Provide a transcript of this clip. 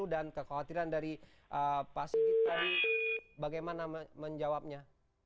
dan kekhawatiran dari pak sigit tadi bagaimana menjawabnya